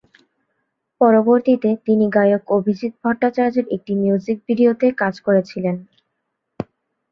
পরবর্তীতে, তিনি গায়ক অভিজিৎ ভট্টাচার্যের একটি মিউজিক ভিডিও-এ কাজ করেছিলেন।